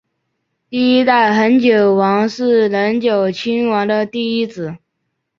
第一代恒久王是能久亲王的第一子。